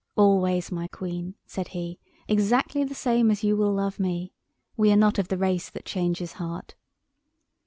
"Always, my Queen," said he, "exactly the same as you will love me. We are not of the race that changes heart."